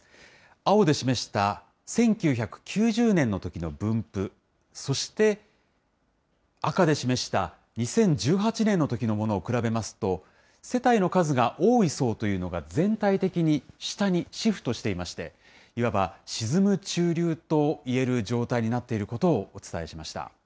青で示した１９９０年のときの分布、そして、赤で示した２０１８年のときのものを比べますと、世帯の数が多い層というのが、全体的に下にシフトしていまして、いわば沈む中流と言える状態になっていることをお伝えしました。